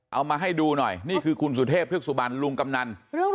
เอามาให้ดูหน่อยนี่คือคุณสุเทพพฤกษุบันลุงกำนัน